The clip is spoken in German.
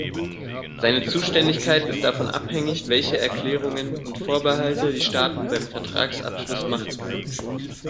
Seine Zuständigkeit ist davon abhängig, welche Erklärungen und Vorbehalte die Staaten beim Vertragsabschluss machten.